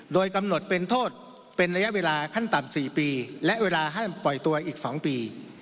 โดยกำหนดเป็นโทษเป็นระยะเวลาขั้นต่ำ๔ปีและเวลาห้ามปล่อยตัวอีก๒ปี